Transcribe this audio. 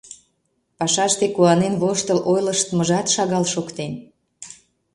Пашаште куанен-воштыл ойлыштмыжат шагал шоктен.